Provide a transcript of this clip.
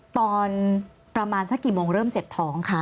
ตอนประมาณสักกี่โมงเริ่มเจ็บท้องคะ